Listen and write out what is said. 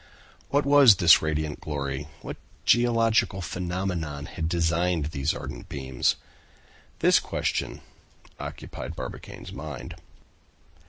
What was this radiant glory? What geological phenomenon had designed these ardent beams? This question occupied Barbicane's mind.